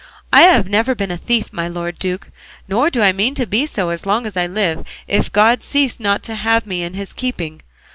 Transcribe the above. I have never been a thief, my lord duke, nor do I mean to be so long as I live, if God cease not to have me in his keeping.